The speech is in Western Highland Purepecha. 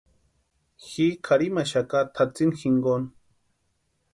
Ji kʼarhimaxaka tʼatsïni jinkoni.